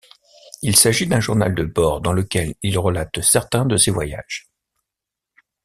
Il s'agit d'un journal de bord dans lequel il relate certains de ses voyages.